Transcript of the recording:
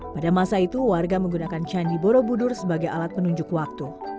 pada masa itu warga menggunakan candi borobudur sebagai alat penunjuk waktu